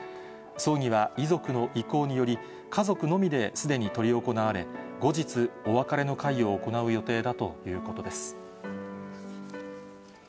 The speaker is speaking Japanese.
葬儀は遺族の意向により、家族のみですでに執り行われ、後日、お別れの会を行う予定だということです。